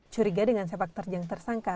curiga dengan sepak terjang tersangka